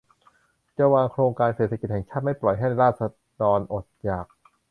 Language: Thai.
จะวางโครงการเศรษฐกิจแห่งชาติ ไม่ปล่อยให้ราษฎรอดอยาก